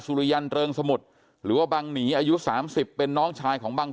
ริยันเริงสมุทรหรือว่าบังหนีอายุ๓๐เป็นน้องชายของบัง